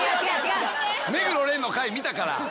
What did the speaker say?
目黒蓮の回見たから。